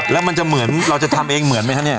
แล้วมันจะเหมือนเราจะทำเองเหมือนไหมครับเนี่ย